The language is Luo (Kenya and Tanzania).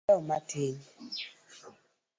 alewo matin